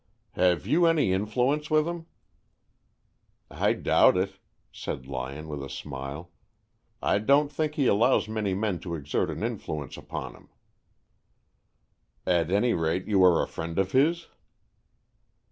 "Have you any influence with him?" "I doubt it," said Lyon, with a smile. "I don't think that he allows many men to exert an influence upon him." "At any rate, you are a friend of his?"